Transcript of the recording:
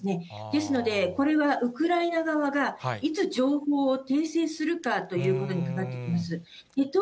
ですので、これはウクライナ側が、いつ情報を訂正するかということにかかってきます。